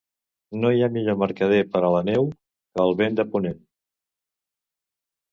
No hi ha millor mercader per a la neu que el vent de ponent.